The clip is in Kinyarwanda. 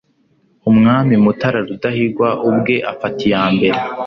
umwami mutara rudahigwa ubwe afata iyambere